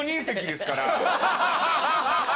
ハハハハ！